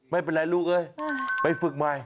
ไม่เป็นไรลูกเอ้ยไปฝึกใหม่